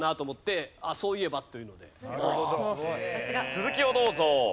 続きをどうぞ。